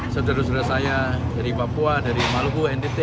saudara saudara saya dari papua dari maluku ntt